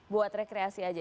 buat rekreasi saja